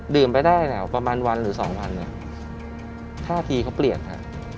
ไปได้เนี่ยประมาณวันหรือสองวันเนี่ยท่าทีเขาเปลี่ยนฮะ